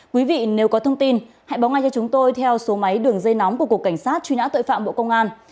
quý vị nếu có thông tin hãy báo ngay cho chúng tôi theo số máy đường dây nóng của cục cảnh sát truy nã tội phạm bộ công an